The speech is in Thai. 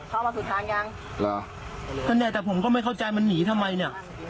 เข้ามาสุดทางยังแล้วแต่ผมก็ไม่เข้าใจมันหนีทำไมเนี่ย